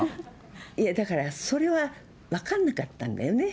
いえ、だからそれは、分かんなかったんだよね。